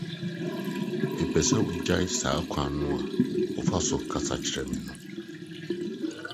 Mepɛ sɛ wugyae saa kwan no a wofa so kasa kyerɛ me no!